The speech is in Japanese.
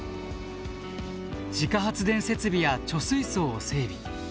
自家発電設備や貯水槽を整備。